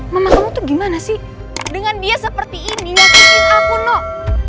mama kamu tuh gimana sih dengan dia seperti ini aku nok